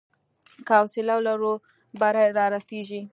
که حوصله ولرو، بری رارسېږي.